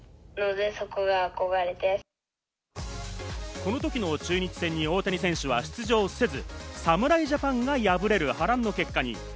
この時の中日戦に大谷選手は出場せず、侍ジャパンが敗れる波乱の結果に。